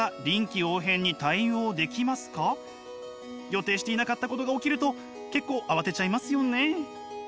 予定していなかったことが起きると結構慌てちゃいますよね。